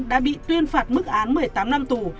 đã bị tuyên phạt mức án một mươi tám năm tù